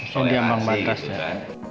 soalnya masih gitu kan